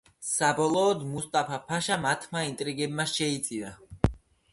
საბოლოოდ, მუსტაფა ფაშა მათმა ინტრიგებმა შეიწირა.